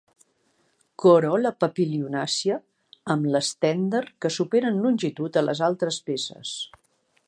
Corol·la papilionàcia, amb l'estendard que supera en longitud a les altres peces.